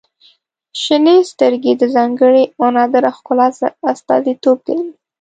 • شنې سترګې د ځانګړي او نادره ښکلا استازیتوب کوي.